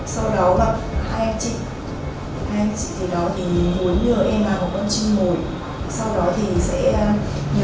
sau đó là hai em chị hai em chị thì đó thì muốn nhờ em vào một con chinh ngồi